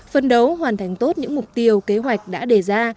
phân đấu hoàn thành tốt những mục tiêu kế hoạch đã đề ra